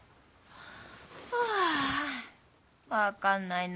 あぁ分かんないな。